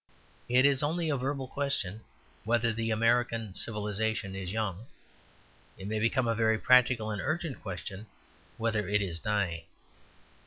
It is only a verbal question whether the American civilization is young; it may become a very practical and urgent question whether it is dying.